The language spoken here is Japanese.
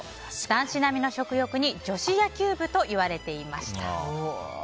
男子並みの食欲に女子野球部といわれていました。